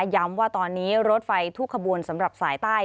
ย้ำว่าตอนนี้รถไฟทุกขบวนสำหรับสายใต้